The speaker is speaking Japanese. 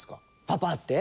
「パパ」って？